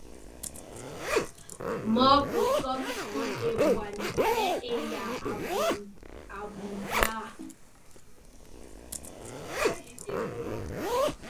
Môr ke kôm kul ébôñe, nzè e ya abmum dia.